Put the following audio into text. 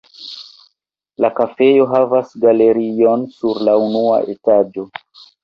La kafejo havas galerion sur la unua etaĝo.